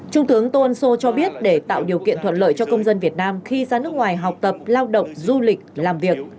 trung tướng tô ân sô cho biết để tạo điều kiện thuận lợi cho công dân việt nam khi ra nước ngoài học tập lao động du lịch làm việc